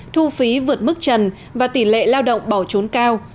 thu phí vượt mức trần và tỷ lệ lao động bỏ trốn cao